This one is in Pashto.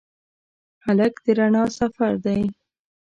هلک د رڼا سفر دی.